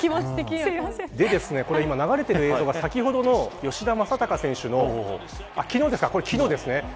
今、流れている映像が先ほどの吉田正尚選手のこれは昨日ですね。